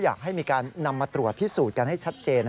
อยากให้มีการนำมาตรวจพิสูจน์กันให้ชัดเจน